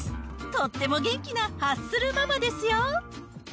とっても元気なハッスルママですよ。